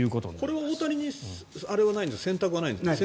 これは大谷に選択はないんですか？